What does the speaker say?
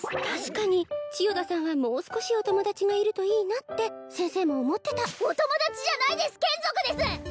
確かに千代田さんはもう少しお友達がいるといいなって先生も思ってたお友達じゃないです眷属です！